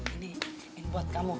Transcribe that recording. ini buat kamu